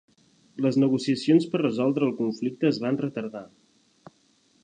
Les negociacions per resoldre el conflicte es van retardar.